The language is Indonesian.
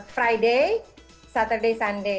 friday saturday sunday